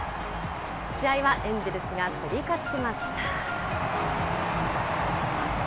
試合はエンジェルスが競り勝ちました。